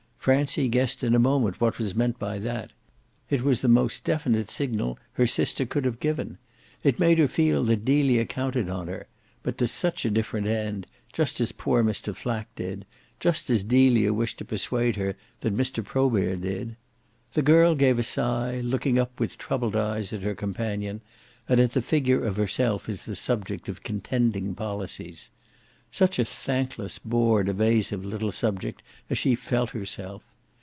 Francie guessed in a moment what was meant by that; it was the most definite signal her sister could have given. It made her feel that Delia counted on her, but to such a different end, just as poor Mr. Flack did, just as Delia wished to persuade her that Mr. Probert did. The girl gave a sigh, looking up with troubled eyes at her companion and at the figure of herself as the subject of contending policies. Such a thankless bored evasive little subject as she felt herself!